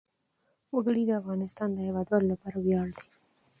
وګړي د افغانستان د هیوادوالو لپاره ویاړ دی.